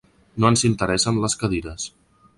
No ens interessen les cadires.